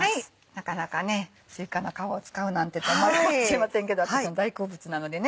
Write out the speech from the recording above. なかなかね「すいかの皮を使うなんて」と思われるかもしれませんけど私の大好物なのでね。